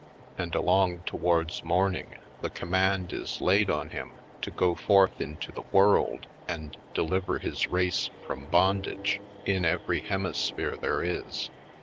And along towards morning the command is laid on him to go forth into the world and deliver his race from bondage in every 148 /. PoindexteTj Colored hemisphere there is.